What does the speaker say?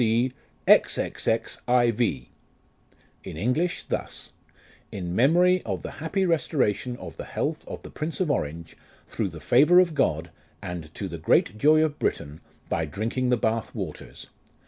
DCC.XXXIV." In English thus :" In memory of the happy restoration of the health of the Prince of Orange, through the favour of God, and to the great joy of Britain, by drinking the Bath waters.